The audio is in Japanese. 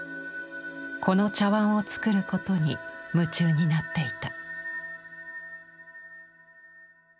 この茶碗を作ることに夢中になっていた。